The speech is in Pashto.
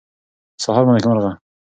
سهار مو نیکمرغه